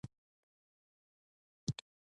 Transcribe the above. رسول الله خلکو ته د حق لار وښوده.